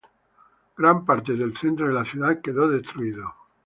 Gran parte del centro de la ciudad quedó destruido.